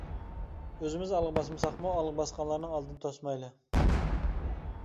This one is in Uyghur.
ئۆزىمىز ئالغا باسمىساقمۇ، ئالغا باسقانلارنىڭ ئالدىنى توسمايلى!